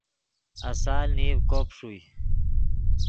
آسال نیڤ کوب ݰوئے